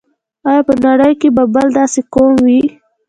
آیا په نړۍ کې به بل داسې قوم وي.